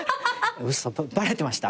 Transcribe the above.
嘘バレてました？